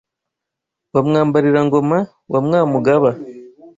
Wa Mwambarira ngoma wa Mwamugaba